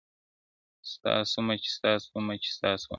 ستا سومه، چي ستا سومه، چي ستا سومه.